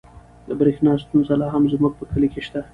د برښنا ستونزه لا هم زموږ په کلي کې شته.